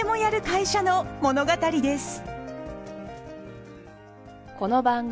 会社の物語です。